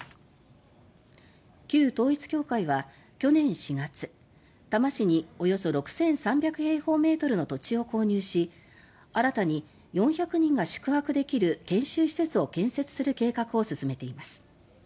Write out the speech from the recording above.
旧統一教会は去年４月、多摩市におよそ６３００平方メートルの土地を購入し新たに４００人が宿泊できる研修施設を建設する計画を進めています。